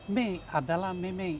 mei adalah memei